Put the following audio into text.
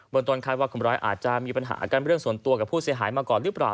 ตนคาดว่าคนร้ายอาจจะมีปัญหาอาการเรื่องส่วนตัวกับผู้เสียหายมาก่อนหรือเปล่า